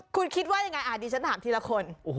คุณคิดว่ายังไงดิฉันถามทีละคน